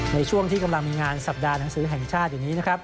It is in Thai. ในช่วงที่กำลังมีงานสัปดาห์หนังสือแห่งชาติอยู่นี้นะครับ